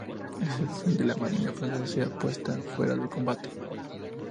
Es esencial que la marina francesa sea puesta fuera de combate.